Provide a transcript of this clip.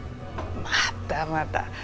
またまた！